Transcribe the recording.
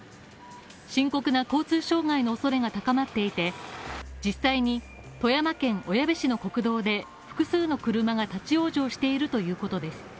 深刻な交通障害の恐れが高まっていて、実際に富山県小矢部市の国道で、複数の車が立ち往生しているということです。